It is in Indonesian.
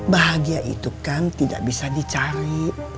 bahagia itu kan tidak bisa dicari